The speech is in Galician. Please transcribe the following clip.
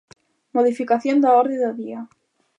Modificación da orde do día.